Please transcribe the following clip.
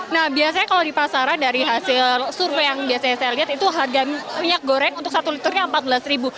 nah biasanya kalau di pasaran dari hasil survei yang biasanya saya lihat itu harga minyak goreng untuk satu liternya rp empat belas ribu